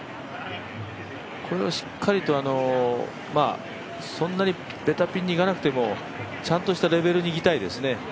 これをしっかりと、そんなにベタピンにいかなくても、ちゃんとしたレベルにいきたいですね。